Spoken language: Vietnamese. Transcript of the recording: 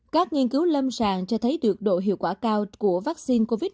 các nghiên cứu lâm sàng cho thấy được độ hiệu quả cao của vaccine covid